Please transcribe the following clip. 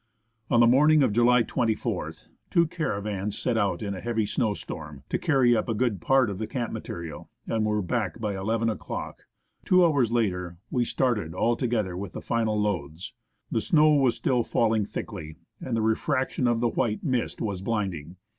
On the morning of July 24th, two caravans set out in a heavy snowstorm, to carry up a good part of the camp material, and were back by 1 1 o'clock ; two hours later we started all together with the final loads. The snow was still falling thickly, and the refraction of the white mist was blinding.